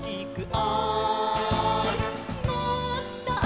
「おい！」